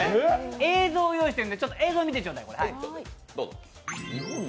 映像を用意してるので、ちょっと見てちょうだい。